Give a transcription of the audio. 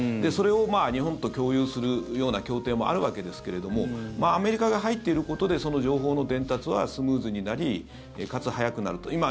それを日本と共有するような協定もあるわけですけれどもアメリカが入っていることで情報の伝達はスムーズになりかつ早くなると。